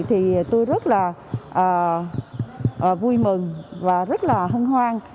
thì tôi rất là vui mừng và rất là hân hoan